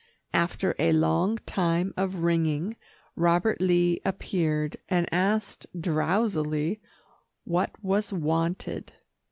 After a long time of ringing, Robert Lee appeared and asked drowsily what was wanted.